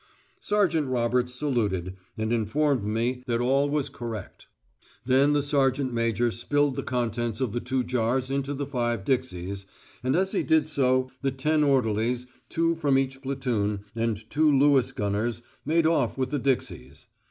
Sergeant Roberts saluted, and informed me that all was correct. Then the sergeant major spilled the contents of the two jars into the five dixies, and as he did so the ten orderlies, two from each platoon, and two Lewis gunners, made off with the dixies.